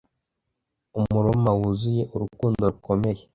umuroma wuzuye urukundo rukomeye